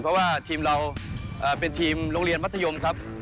เพราะว่าทีมเราเป็นทีมโรงเรียนมัธยมครับ